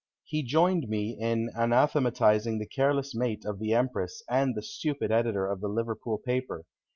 He joined me in anathematizing the careless mate of the Empress and the stupid editor of the Liverpool paper.